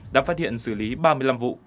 đã phát hiện xử lý ba mươi năm vụ